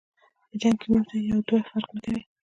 په جنګ کی مونږ ته یو دوه فرق نکوي.